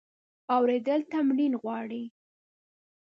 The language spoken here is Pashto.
اورېدل تمرین غواړي.